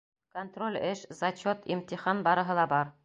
Контроль эш, зачет, имтихан — барыһы ла бар.